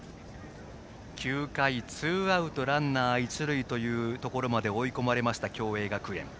９回ツーアウトランナー、一塁というところまで追い込まれました、共栄学園。